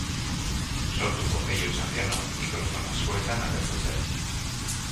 Sortuko Pello Otxandiano mikrofonoa eskuetan agertu zen.